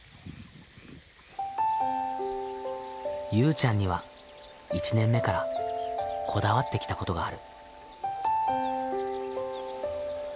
ゆうちゃんには１年目からこだわってきたことがある。